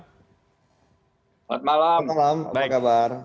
selamat malam apa kabar